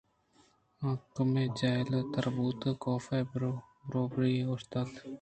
آ کمے جہل تر بوت ءُکاف ءِ بروبری ءَاوشتات